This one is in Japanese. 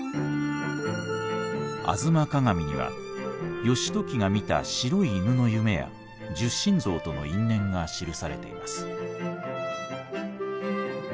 「吾妻鏡」には義時が見た白い犬の夢や戌神像との因縁が記されています。